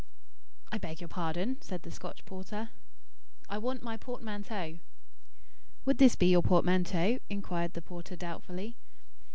"I beg your pardon?" said the Scotch porter. "I want my portmanteau." "Would this be your portmanteau?" inquired the porter doubtfully.